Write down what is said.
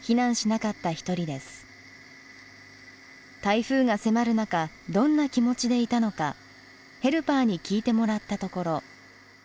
台風が迫る中どんな気持ちでいたのかヘルパーに聞いてもらったところ。